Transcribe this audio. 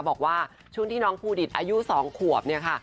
บอกว่าช่วงที่น้องภูดิตอายุ๒ขวบเนี่ยค่ะ